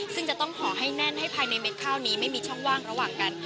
ซึ่งจะต้องห่อให้แน่นให้ภายในเม็ดข้าวนี้ไม่มีช่องว่างระหว่างกัน